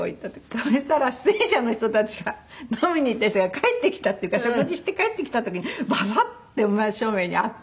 そしたら出演者の人たちが飲みに行った人が帰ってきたっていうか食事して帰ってきた時にバサッて真っ正面に会って。